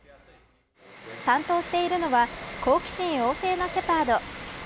担当しているのは好奇心旺盛なシェパード。